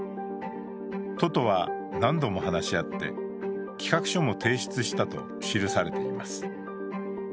都とは何度も話し合って企画書も提出したと記されています。